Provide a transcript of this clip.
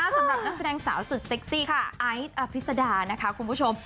สำหรับสาวสุดเซ็กซี่อายท์อะพิสซานะครับคุณผู้ชม